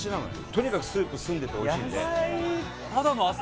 とにかくスープ澄んでておいしいんで。